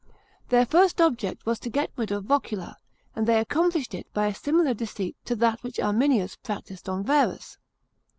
Their first object was to get rid of Vocula, and they accomplished it by a similar deceit to that which Arminius practised on Varus.